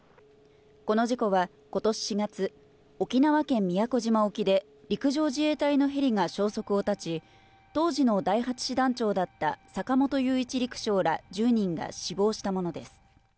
この事故はことし４月、沖縄県宮古島沖で、陸上自衛隊のヘリが消息を絶ち、当時の第８師団長だった坂本雄一陸将ら１０人が死亡したものです。